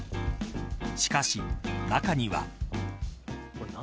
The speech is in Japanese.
しかし中には。